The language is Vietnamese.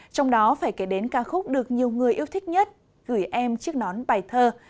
trong đó phải kể đến ca khúc được nhiều người yêu thích nhất gửi em chiếc nón bài thơ